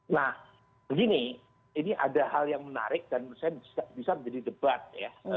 nah begini ini ada hal yang menarik dan menurut saya bisa menjadi debat ya